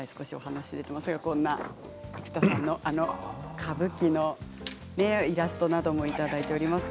生田さんの歌舞伎のイラストなども、いただいております。